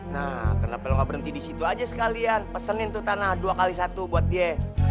nah kenapa nggak berhenti di situ aja sekalian pesenin tuh tanah dua x satu buat dia